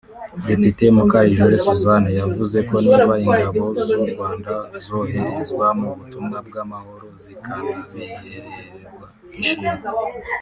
Depite Mukayijore Suzanne yavuze ko niba Ingabo z’u Rwanda zoherezwa mu butumwa bw’amahoro zikanabihererwa ishimwe